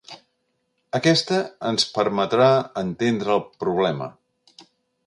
Aquesta ens permetrà entendre el problema.